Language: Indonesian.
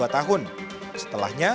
empat puluh dua tahun setelahnya